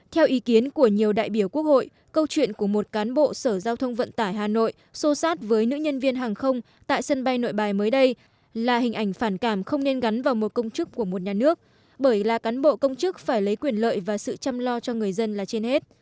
theo ý kiến của nhiều đại biểu quốc hội câu chuyện của một cán bộ sở giao thông vận tải hà nội xô sát với nữ nhân viên hàng không tại sân bay nội bài mới đây là hình ảnh phản cảm không nên gắn vào một công chức của một nhà nước bởi là cán bộ công chức phải lấy quyền lợi và sự chăm lo cho người dân là trên hết